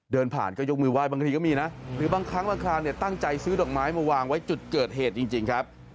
เดินผ่านก็ยกมือไห้บางทีก็มีนะหรือบางครั้งบางคราวเนี่ยตั้งใจซื้อดอกไม้มาวางไว้จุดเกิดเหตุจริงครับ